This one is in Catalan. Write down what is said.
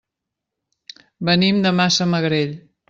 Venim de Massamagrell.